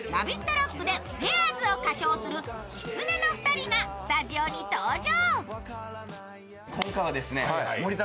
ＲＯＣＫで「ペアーズ」を歌唱するきつねの２人がスタジオに登場。